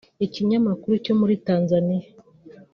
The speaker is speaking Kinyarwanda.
Ikinyamakuru cyo muri Tanzania